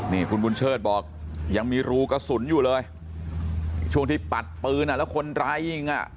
นี่คุณบุญเชิดบอกยังมีรูกระสุนอยู่เลยช่วงที่ปัดปืนอ่ะแล้วคนร้ายยิงอ่ะ